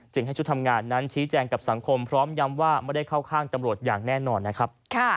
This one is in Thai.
ให้ชุดทำงานนั้นชี้แจงกับสังคมพร้อมย้ำว่าไม่ได้เข้าข้างตำรวจอย่างแน่นอนนะครับ